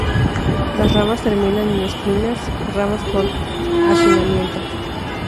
Las ramas terminan en espinas, ramas con hacinamiento.